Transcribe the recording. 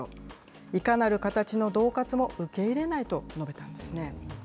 いかなる形のどう喝も受け入れないと述べたんですね。